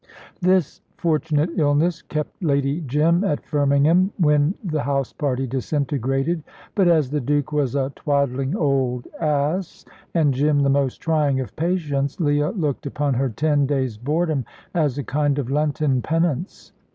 This fortunate illness kept Lady Jim at Firmingham when the house party disintegrated. But as the Duke was a twaddling old ass, and Jim the most trying of patients, Leah looked upon her ten days' boredom as a kind of Lenten penance.